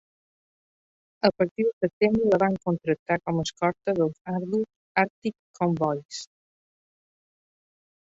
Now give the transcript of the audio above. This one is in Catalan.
A partir de setembre la van contractar com a escorta dels ardus Arctic Convoys.